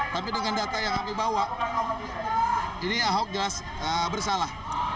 tapi dengan data yang kami bawa ini ahok jelas bersalah